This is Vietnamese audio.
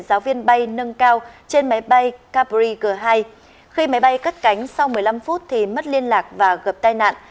giáo viên bay nâng cao trên máy bay carbrig hai khi máy bay cất cánh sau một mươi năm phút thì mất liên lạc và gặp tai nạn